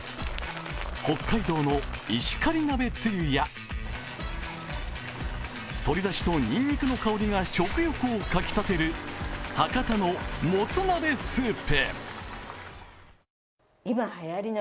北海道の石狩鍋つゆや鶏だしと、にんにくの香りが食欲をかき立てる博多のもつ鍋スープ。